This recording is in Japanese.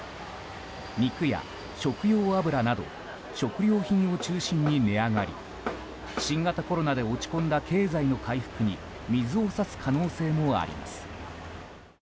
肉や食用油など食料品を中心に値上がり新型コロナで落ち込んだ経済の回復に水を差す可能性もあります。